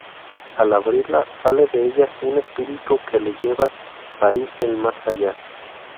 Al abrirla, sale de ella un espíritu que le lleva "país del más allá".